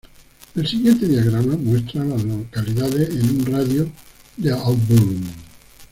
El siguiente diagrama muestra a las localidades en un radio de de Auburn.